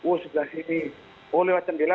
oh sebelah sini mau lewat jendela